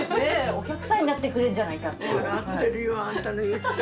お客さんになってくれるんじゃないかと。